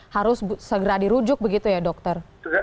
harus segera dirujuk begitu ya dokter